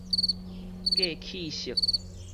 過去式